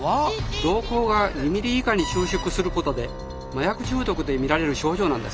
瞳孔が２ミリ以下に収縮することで麻薬中毒で見られる症状なんです。